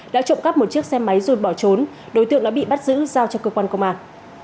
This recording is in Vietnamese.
đã trộm cắp một chiếc xe máy rồi bỏ trốn đối tượng đã bị bắt giữ giao cho cơ quan công an